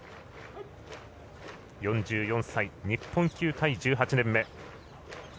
４４歳、日本球界１８年目。